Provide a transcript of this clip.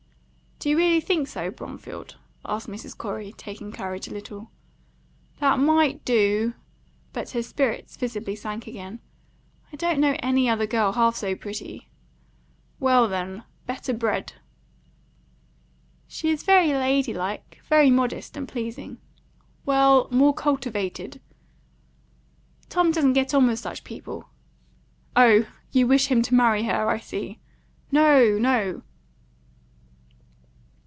"Do you really think so, Bromfield?" asked Mrs. Corey, taking courage a little. "That might do," But her spirits visibly sank again. "I don't know any other girl half so pretty." "Well, then, better bred." "She is very lady like, very modest, and pleasing." "Well, more cultivated." "Tom doesn't get on with such people." "Oh, you wish him to marry her, I see." "No, no."